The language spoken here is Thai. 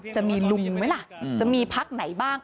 จะมีลุงไหมล่ะจะมีพักไหนบ้าง